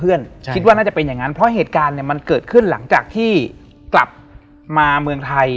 เอาเงินจากการ